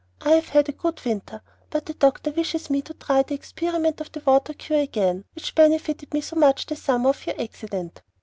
I have had a good winter, but the doctor wishes me to try the experiment of the water cure again which benefited me so much the summer of your accident.